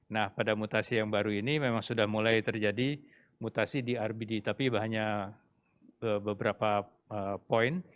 nah pada mutasi yang baru ini memang sudah mulai terjadi mutasi di rbd tapi hanya beberapa poin